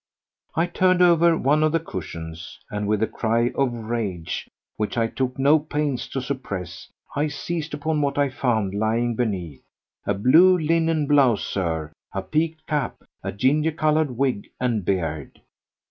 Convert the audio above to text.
I turned over one of the cushions, and with a cry of rage which I took no pains to suppress I seized upon what I found lying beneath: a blue linen blouse, Sir, a peaked cap, a ginger coloured wig and beard!